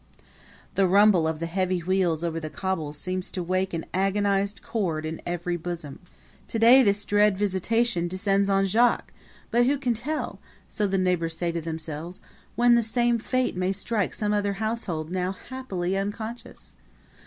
The rumble of the heavy wheels over the cobbles seems to wake an agonized chord in every bosom. To day this dread visitation descends on Jacques; but who can tell so the neighbors say to themselves when the same fate may strike some other household now happily unconscious!